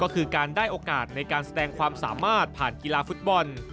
แปลงความสามารถผ่านกีฬาฟุตบอล